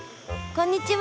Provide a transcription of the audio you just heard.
こんにちは。